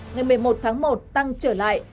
ngày một mươi một tháng một tăng trở lại